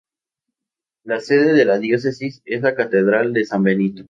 La sede de la Diócesis es la Catedral de San Benito.